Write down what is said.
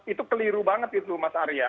itu keliru banget gitu mas arya